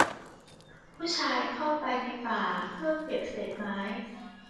ผู้ชายเข้าไปในป่าเพื่อเก็บเศษไม้